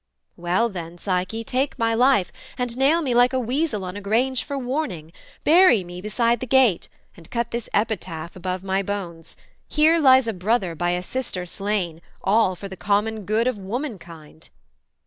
'Well then, Psyche, take my life, And nail me like a weasel on a grange For warning: bury me beside the gate, And cut this epitaph above my bones; _Here lies a brother by a sister slain, All for the common good of womankind.